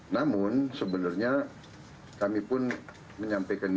namun sebenarnya kami pun menyampaikan ini